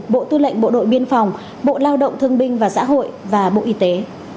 bộ tư lệnh bộ đội biên phòng bộ lao động thương binh và xã hội và bộ y tế